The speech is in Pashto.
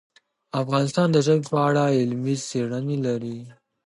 افغانستان د ژبې په اړه علمي څېړنې لري.